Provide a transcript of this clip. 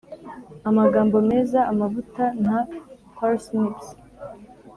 amagambo meza amavuta nta parsnips